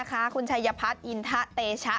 คุณชัยพัฒน์อินทะเตชะ